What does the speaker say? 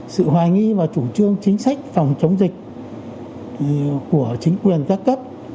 sự hoài nghi và chủ trương chính sách phòng chống dịch của chính quyền các cấp